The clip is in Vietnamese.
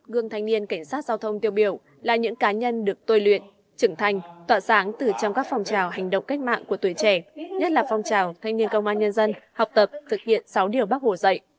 hai gương thanh niên cảnh sát giao thông tiêu biểu là những cá nhân được tôi luyện trưởng thành tọa sáng từ trong các phòng trào hành động cách mạng của tuổi trẻ nhất là phong trào thanh niên công an nhân dân học tập thực hiện sáu điều bác hồ dạy